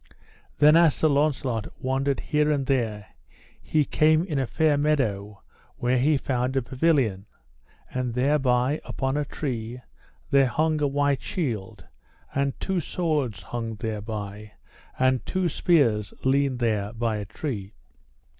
Thus as Sir Launcelot wandered here and there he came in a fair meadow where he found a pavilion; and there by, upon a tree, there hung a white shield, and two swords hung thereby, and two spears leaned there by a tree.